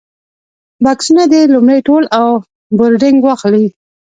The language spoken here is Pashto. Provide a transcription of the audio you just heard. بکسونه دې لومړی تول او بورډنګ واخلي.